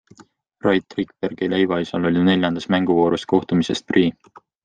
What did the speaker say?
Rait Rikbergi leivaisal oli neljandas mänguvoorus kohtumisest prii.